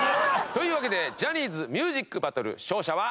というわけでジャニーズミュージックバトル勝者はＨｉＨｉＪｅｔｓ！